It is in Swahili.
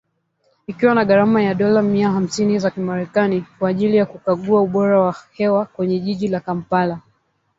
Ikiwa na gharama ya dola mia hamsini za kimerekani kwa ajili ya kukagua ubora wa hewa kwenye jiji la Kampala.